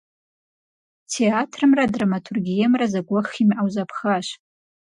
Театрымрэ драматургиемрэ зэгуэх имыӀэу зэпхащ.